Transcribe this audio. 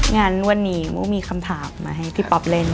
งวดนี้มุกมีคำถามมาให้พี่ป๊อปเล่น